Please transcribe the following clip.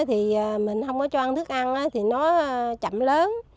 thì mình không có cho ăn thức ăn thì nó chậm lớn